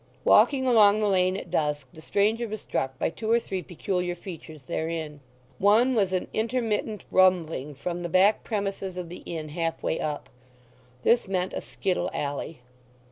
Walking along the lane at dusk the stranger was struck by two or three peculiar features therein. One was an intermittent rumbling from the back premises of the inn half way up; this meant a skittle alley.